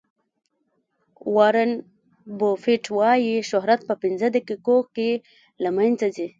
وارن بوفیټ وایي شهرت په پنځه دقیقو کې له منځه ځي.